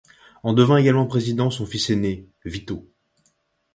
En devint également président son fils aîné Vito.